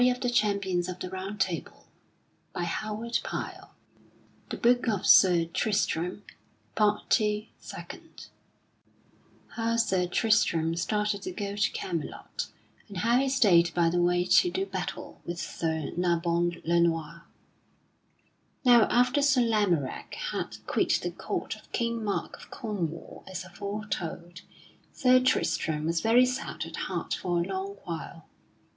[Illustration: Sir Tristram cometh to ye castle of Sir Nabon] Chapter Second How Sir Tristram started to go to Camelot, and how he stayed by the way to do battle with Sir Nabon le Noir. Now after Sir Lamorack had quit the court of King Mark of Cornwall as aforetold, Sir Tristram was very sad at heart for a long while.